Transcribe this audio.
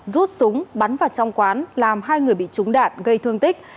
rút súng bắn vào trong quán làm hai người bị trúng đạn gây thương tích